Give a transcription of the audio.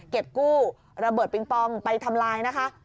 เก็บกู้ระเบิดปิงปองไปทำลายนะคะ